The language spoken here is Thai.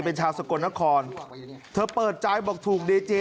เป็นชาวสกลนครเธอเปิดใจบอกถูกดีเจ